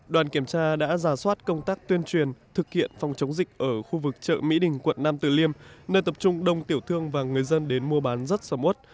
đoàn kiểm tra đã giả soát công tác tuyên truyền thực hiện phòng chống dịch ở khu vực chợ mỹ đình quận nam tử liêm nơi tập trung đông tiểu thương và người dân đến mua bán rất sầm út